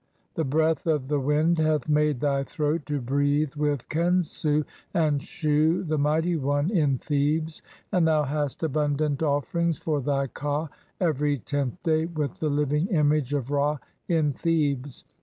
The breath of "the wind hath made thy throat to breathe with Khensu "and Shu, the mighty one, in Thebes ; and thou hast "abundant offerings for thy ka every tenth day with "the living image of Ra in Thebes.